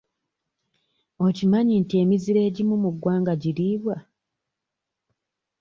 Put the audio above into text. Okimanyi nti emiziro egimu mu ggwanga giriibwa?